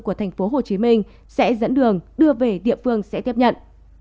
của tp hcm sẽ dẫn đường đưa về địa phương sẽ tiếp nhận